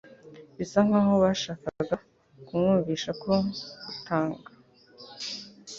bisa nk'aho bashakaga kumwumvisha ko gutanga